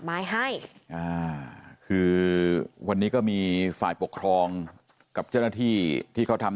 ไม้ให้อ่าคือวันนี้ก็มีฝ่ายปกครองกับเจ้าหน้าที่ที่เขาทำ